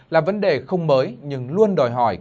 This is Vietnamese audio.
là vấn đề không mới nhưng luôn đáng đáng đáng